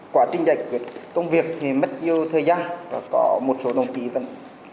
quá trình giải quyết công việc thì mất nhiều thời gian và có một số đồng chí vẫn